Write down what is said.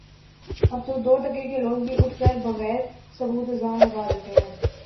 اب تو دو ٹکے کے لوگ بھی اٹھ کر بغیر ثبوت الزام لگا دیتے